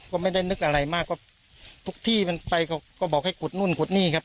ก็ไม่ได้นึกอะไรมากก็ทุกที่มันไปเขาก็บอกให้ขุดนู่นขุดนี่ครับ